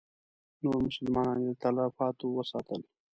نور مسلمانان یې له تلفاتو وساتل.